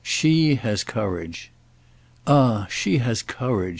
"She has courage." "Ah she has courage!"